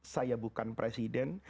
saya bukan presiden